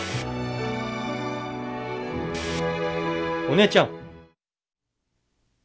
お姉ちゃん。